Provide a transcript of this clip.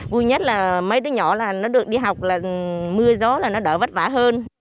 vui nhất là mấy đứa nhỏ là nó được đi học là mưa gió là nó đỡ vất vả hơn